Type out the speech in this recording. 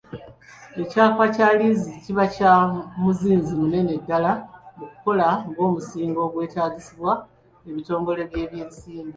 Ekyapa kya liizi kiba kya muzinzi munene ddala mu kukola ng'omusingo ogwetaagibwa ebitongole by'ebyensimbi.